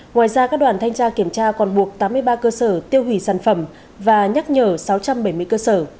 ngoài ra các đoàn thanh tra kiểm tra còn buộc tám mươi ba cơ sở tiêu hủy sản phẩm và nhắc nhở sáu trăm bảy mươi cơ sở